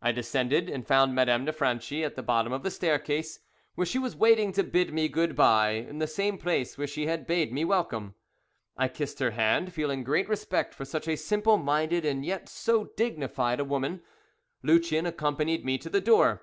I descended, and found Madame de Franchi at the bottom of the staircase, where she was waiting to bid me good bye, in the same place where she had bade me welcome. I kissed her hand, feeling great respect for such a simple minded and yet so dignified a woman. Lucien accompanied me to the door.